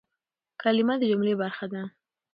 کلیمه د جملې برخه ده.